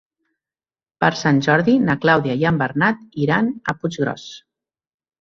Per Sant Jordi na Clàudia i en Bernat iran a Puiggròs.